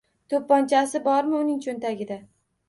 To’pponchasi bormi uning cho’ntagida?